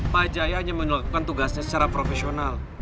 pak zaya hanya menuliskan tugasnya secara profesional